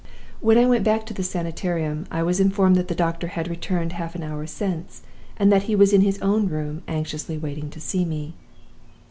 "When I went back to the Sanitarium, I was informed that the doctor had returned half an hour since, and that he was in his own room anxiously waiting to see me.